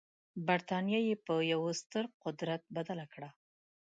برټانیه یې په یوه ستر قدرت بدله کړه.